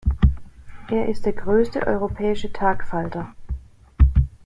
Er ist der größte europäische Tagfalter.